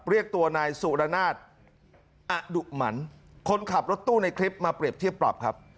เรียกตัวนายสุรนาศอดุหมันคนขับรถตู้ในคลิปมาเปรียบเทียบปรับครับ